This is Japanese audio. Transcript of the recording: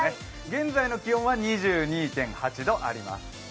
現在の気温は２２．８度あります。